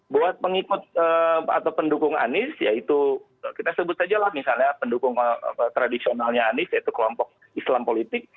buat pengikut atau pendukung anies yaitu kita sebut sajalah misalnya pendukung tradisionalnya anies yaitu kelompok islam politik